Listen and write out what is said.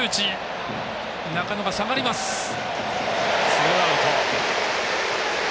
ツーアウト。